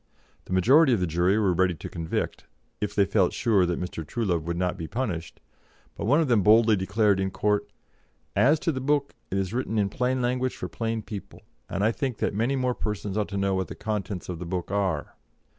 The majority of the jury were ready to convict, if they felt sure that Mr. Truelove would not be punished, but one of them boldly declared in court: "As to the book, it is written in plain language for plain people, and I think that many more persons ought to know what the contents of the book are."